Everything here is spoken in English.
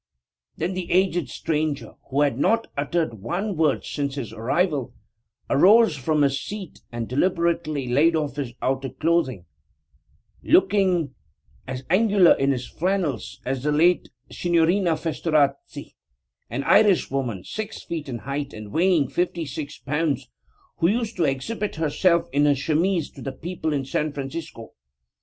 Then the aged stranger, who had not uttered one word since his arrival, arose from his seat and deliberately laid off his outer clothing, looking as angular in his flannels as the late Signorina Festorazzi, an Irish woman, six feet in height, and weighing fifty six pounds, who used to exhibit herself in her chemise to the people of San Francisco.